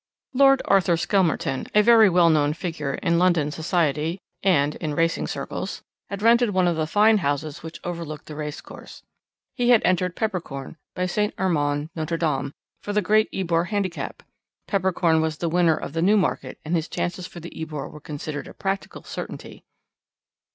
Lord Arthur Skelmerton, a very well known figure in London society and in racing circles, had rented one of the fine houses which overlook the racecourse. He had entered Peppercorn, by St. Armand Notre Dame, for the Great Ebor Handicap. Peppercorn was the winner of the Newmarket, and his chances for the Ebor were considered a practical certainty.